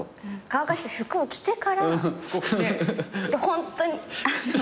乾かして服を着てからホントにあの。